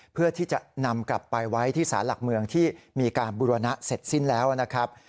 เพื่อที่จะนำกลับไปไว้ที่สารหลักเมืองที่มีการบุรณะเสร็จสิ้นแล้วนะครับ